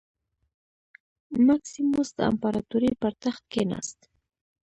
مکسیموس د امپراتورۍ پر تخت کېناست.